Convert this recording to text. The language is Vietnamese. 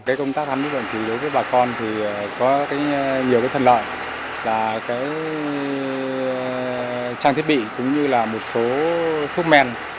cái công tác khám bệnh thì đối với bà con thì có nhiều cái thần lợi là cái trang thiết bị cũng như là một số thuốc men